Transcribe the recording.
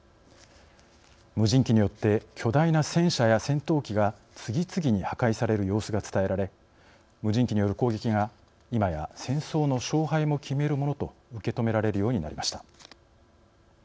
無人機によって巨大な戦車や戦闘機が次々に破壊される様子が伝えられ無人機による攻撃がいまや戦争の勝敗も決めるものと受け止められるようになりました。